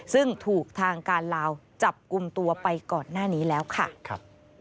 ซึ่งถูกทางการลาวจับกลุ่มตัวไปก่อนหน้านี้แล้วค่ะ